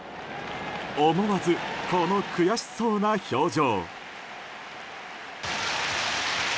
思わずこの悔しそうな表情。